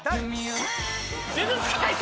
「呪術廻戦」